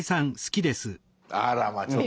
あらまあちょっと。